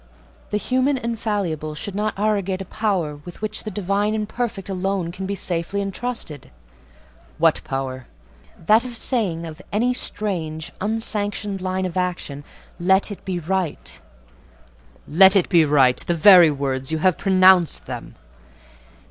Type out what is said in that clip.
"The human and fallible should not arrogate a power with which the divine and perfect alone can be safely intrusted." "What power?" "That of saying of any strange, unsanctioned line of action,—'Let it be right.'" "'Let it be right'—the very words: you have pronounced them."